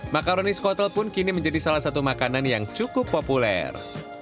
makaronis kotel pun kini menjadi salah satu makanan yang cukup populer